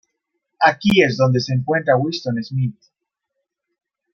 Aquí es donde se encuentra Winston Smith.